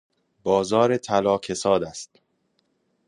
بازار طلا کساد است.